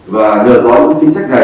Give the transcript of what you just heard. và nhờ có những chính sách này